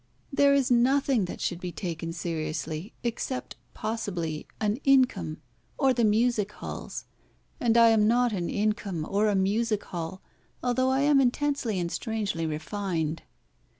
There is nothing that should be taken seriously, except, possibly, an income or the music halls, and I am not an income or a music hall, although I am intensely and strangely refined.